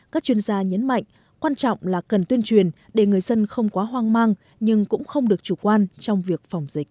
các chuyên gia nhấn mạnh quan trọng là cần tuyên truyền để người dân không quá hoang mang nhưng cũng không được chủ quan trong việc phòng dịch